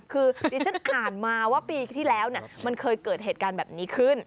คือดิฉันอ่านมาว่าปีที่แล้วมันเคยเกิดเหตุการณ์แบบนี้ขึ้น